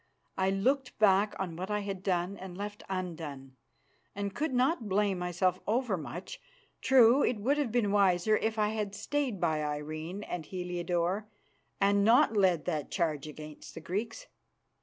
I looked back on what I had done and left undone, and could not blame myself overmuch. True, it would have been wiser if I had stayed by Irene and Heliodore, and not led that charge against the Greeks.